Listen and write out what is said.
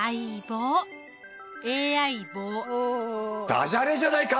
ダジャレじゃないか！